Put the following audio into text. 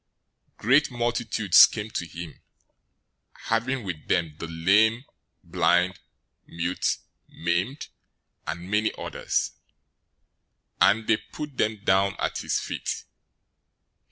015:030 Great multitudes came to him, having with them the lame, blind, mute, maimed, and many others, and they put them down at his feet.